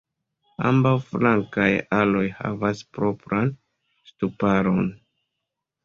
Ambaŭ flankaj aloj havas propran ŝtuparon.